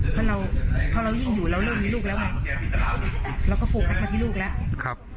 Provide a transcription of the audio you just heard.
เพราะเราเพราะเรายิ่งอยู่แล้วเริ่มมีลูกแล้วไงเราก็ฟูกกันพอที่ลูกแล้วครับ